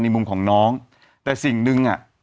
มุมของน้องแต่สิ่งหนึ่งอ่ะ